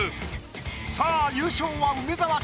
さぁ優勝は梅沢か？